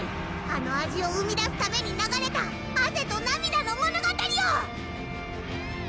あの味を生み出すために流れた汗と涙の物語を！